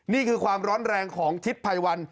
นี่คือความร้อนแรงของทิศภัยวัน